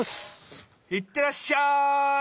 いってらっしゃい！